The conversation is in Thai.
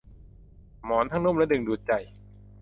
หมอนทั้งนุ่มและดึงดูดใจ